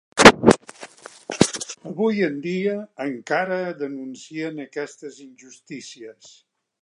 Avui en dia encara denuncien aquestes injustícies.